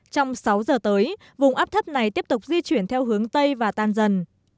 trong sáu giờ tới vùng áp thấp này tiếp tục di chuyển theo hướng tây và tan dần